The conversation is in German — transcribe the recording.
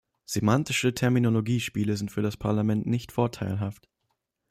Semantische Terminologiespiele sind für das Parlament nicht vorteilhaft.